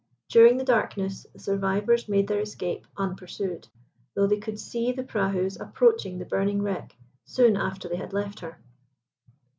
During the darkness the survivors made their escape unpursued, though they could see the prahus approaching the burning wreck soon after they had left her.